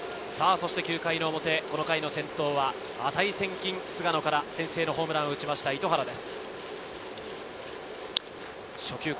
９回の表、この回、先頭は値千金、菅野からホームランを打ちました、糸原です。